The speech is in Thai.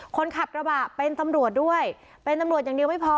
คนขับกระบะเป็นตำรวจด้วยเป็นตำรวจอย่างเดียวไม่พอ